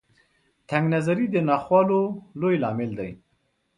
تنګ نظري د ناخوالو لوی لامل دی.